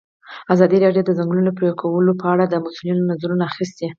ازادي راډیو د د ځنګلونو پرېکول په اړه د مسؤلینو نظرونه اخیستي.